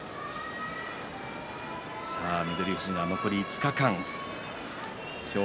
翠富士は残り５日間。